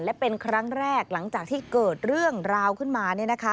และเป็นครั้งแรกหลังจากที่เกิดเรื่องราวขึ้นมา